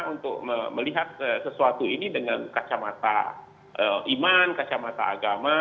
untuk melihat sesuatu ini dengan kacamata iman kacamata agama